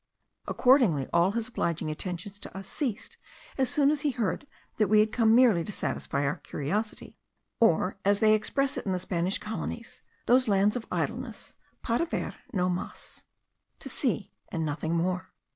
Accordingly all his obliging attentions to us ceased as soon as he heard that we had come merely to satisfy our curiosity; or as they express it in the Spanish colonies, those lands of idleness, para ver, no mas, to see, and nothing more.